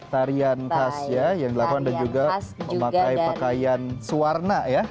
tarian khas ya yang dilakukan dan juga memakai pakaian suwarna ya